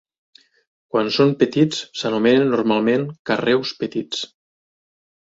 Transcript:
Quan són més petits, s'anomenen normalment carreus petits.